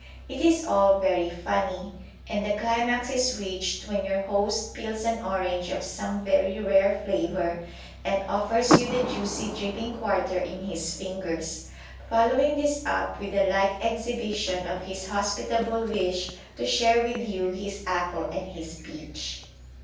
It is all very funny, and the climax is reached when your host peels an orange of some very rare flavour, and offers you the juicy dripping quarter in his fingers, following this up with a like exhibition of his hospitable wish to share with you his apple and his peach.